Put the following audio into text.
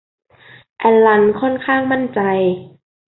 แอลลันค่อนข้างมั่นใจ